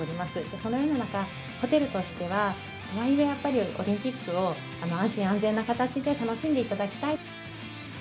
そのような中、ホテルとしては、とはいえやっぱり、オリンピックを安心安全な形で楽しんでいただきたい。